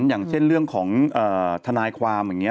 อย่างเช่นเรื่องของทนายความอย่างนี้